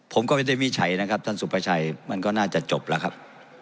ผมก็ไม่ได้วิจัยนะครับท่านสุภาชัยมันก็น่าจะจบแล้วครับ